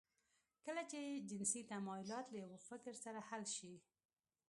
کله چې جنسي تمایلات له یوه فکر سره حل شي